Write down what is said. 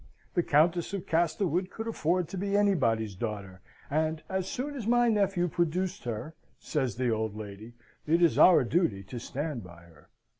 The Countess of Castlewood could afford to be anybody's daughter, and as soon as my nephew produced her, says the old lady, it is our duty to stand by her.